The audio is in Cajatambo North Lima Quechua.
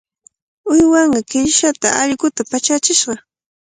Uywanqaa killikshata allqu manchachishqa.